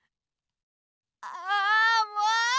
あもう！